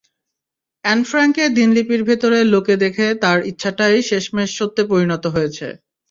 An ফ্রাঙ্কের দিনলিপির ভেতরে লোকে দেখে তাঁর ইচ্ছাটাই শেষমেশ সত্যে পরিণত হয়েছে।